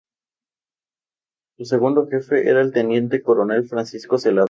Su segundo jefe era el teniente coronel Francisco Zelada.